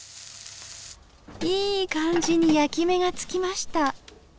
いい感じに焼き目がつきました。